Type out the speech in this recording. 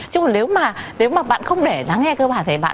chứ mà nếu mà bạn không để lắng nghe cơ thể bạn